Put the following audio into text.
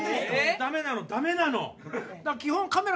ダメなのダメなの！